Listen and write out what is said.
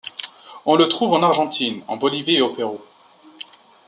On le trouve en Argentine, en Bolivie et au Pérou.